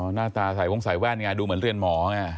อ๋อหน้าตาใส่วงสายแว่นอย่างไรดูเหมือนเรียนหมอไง